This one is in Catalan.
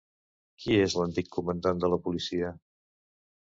Qui és l'antic comandant de la policia?